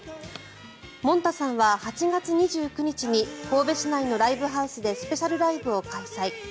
もんたさんは８月２９日に神戸市内のライブハウスでスペシャルライブを開催。